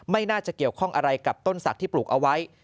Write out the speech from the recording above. ไม่น่าจะเกี่ยวข้องอะไรกับต้นศักดิ์ที่ปลูกเอาไว้